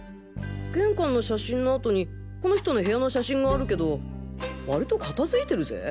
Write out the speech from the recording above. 玄関の写真のあとにこの人の部屋の写真があるけどわりと片付いてるぜ？